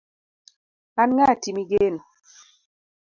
an ng'ati migeno